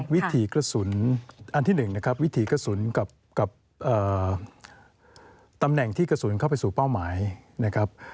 วิถีกระสุนอันที่๑นะครับวิถีกระสุนกับตำแหน่งที่กระสุนเข้าไปสู่เป้าหมายนะครับ